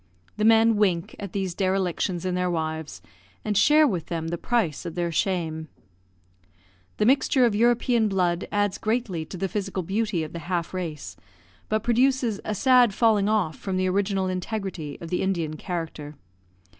The men wink at these derelictions in their wives, and share with them the price of their shame. The mixture of European blood adds greatly to the physical beauty of the half race, but produces a sad falling off from the original integrity of the Indian character.